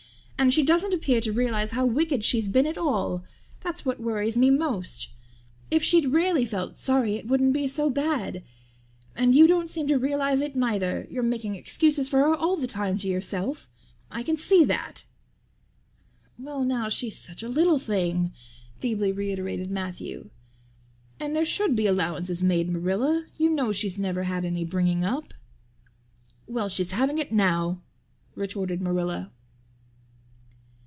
And she doesn't appear to realize how wicked she's been at all that's what worries me most. If she'd really felt sorry it wouldn't be so bad. And you don't seem to realize it, neither; you're making excuses for her all the time to yourself I can see that." "Well now, she's such a little thing," feebly reiterated Matthew. "And there should be allowances made, Marilla. You know she's never had any bringing up." "Well, she's having it now" retorted Marilla.